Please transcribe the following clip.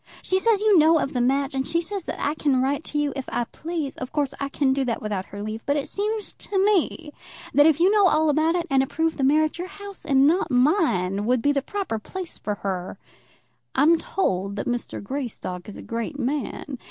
She says you know of the match, and she says that I can write to you if I please. Of course, I can do that without her leave. But it seems to me that if you know all about it, and approve the marriage, your house and not mine would be the proper place for her. I'm told that Mr. Greystock is a great man.